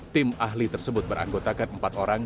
tim ahli tersebut beranggotakan empat orang